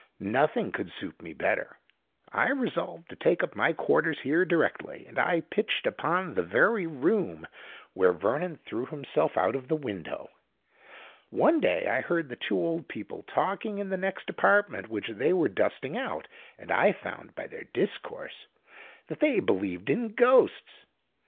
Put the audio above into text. Nothing could suit me better: I resolved to take up my quarters here directly;—and I pitched upon the very room where Vernon threw himself out of the window. One day I heard the two old people talking in the next apartment, which they were dusting out; and I found, by their discourse, that they believed in ghosts.